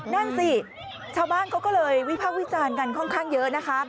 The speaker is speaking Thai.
นั่นสิชาวบ้านเขาก็เลยวิพากษ์วิจารณ์กันค่อนข้างเยอะนะคะ